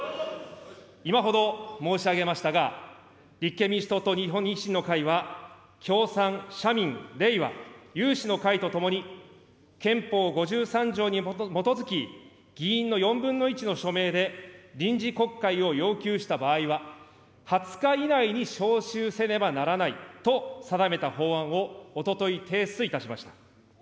今ほど申し上げましたが、立憲民主党と日本維新の会は、共産、社民、れいわ、有志の会とともに憲法５３条に基づき、議員の４分の１の署名で臨時国会を要求した場合は、２０日以内に召集せねばならないと定めた法案を、おととい提出いたしました。